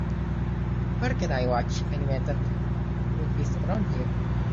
where can i watch animated movies around here